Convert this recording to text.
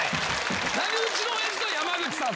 何でうちのおやじと山口さん